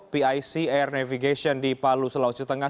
pic air navigation di palu sulawesi tengah